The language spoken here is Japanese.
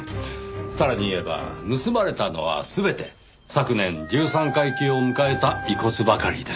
さらに言えば盗まれたのは全て昨年十三回忌を迎えた遺骨ばかりです。